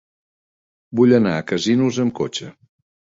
Vull anar a Casinos amb cotxe.